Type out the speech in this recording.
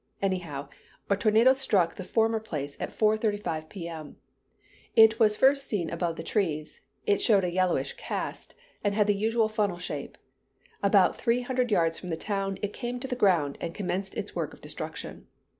Anyhow, a tornado struck the former place at 4:35 P.M. It was first seen above the trees, it showed a yellowish cast, and had the usual funnel shape. About three hundred yards from the town it came to the ground and commenced its work of destruction.